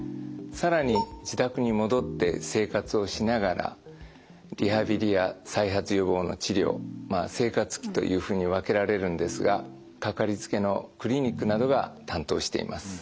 更に自宅に戻って生活をしながらリハビリや再発予防の治療まあ生活期というふうに分けられるんですがかかりつけのクリニックなどが担当しています。